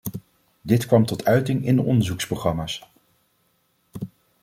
Dit kwam tot uiting in de onderzoeksprogramma's.